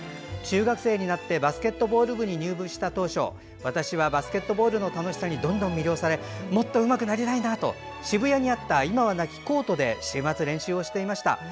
中学生になってバスケットボール部に入部した当初私はバスケットボールの楽しさにどんどん魅了されもっとうまくなりたいと渋谷にあった今はなきコートで週末練習をしていました。